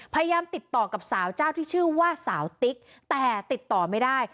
พยายามติดต่อกับสาวเจ้าที่ชื่อว่าสาวติ๊กแต่ติดต่อไม่ได้